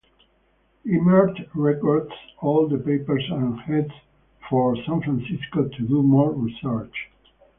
Imarte records all the papers and heads for San Francisco to do more research.